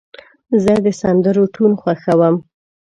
زه د سندرو ټون خوښوم.